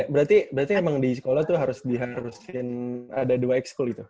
berarti emang di sekolah tuh harus diharusin ada dua ex school gitu